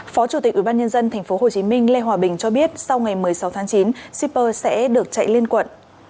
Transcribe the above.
phó chủ tịch ubnd tp hcm lê hòa bình cho biết sau ngày một mươi sáu tháng chín shipper sẽ được chạy liên quận